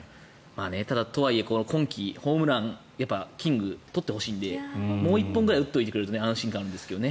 ただ、とはいえ今季、ホームランキング取ってほしいのでもう１本ぐらい打っといてくれると安心感あるんですけど。